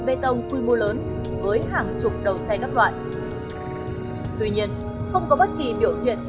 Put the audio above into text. bê tông quy mô lớn với hàng chục đầu xe các loại tuy nhiên không có bất kỳ biểu hiện